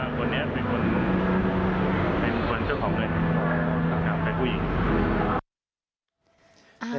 คนนี้เป็นคนจะผ่องเงินของแขกผู้หญิง